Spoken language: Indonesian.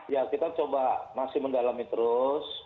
ya kita coba masih mendalami terus